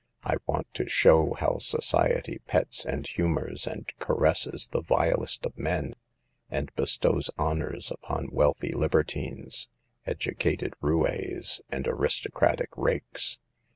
I want to show how so ciety pets and humors and caresses the vilest of men, and bestows honors upon wealthy libertines, educated roues and aristocratic rakes.